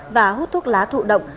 và hút thuốc lá thụ động